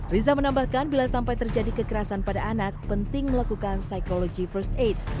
riza menambahkan bila sampai terjadi kekerasan pada anak penting melakukan psychologi first aid